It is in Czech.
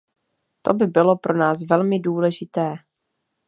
To by bylo pro nás velmi důležité.